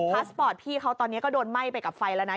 สปอร์ตพี่เขาตอนนี้ก็โดนไหม้ไปกับไฟแล้วนะ